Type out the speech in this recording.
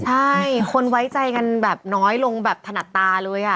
ใช่คนไว้ใจกันแบบน้อยลงแบบถนัดตาเลย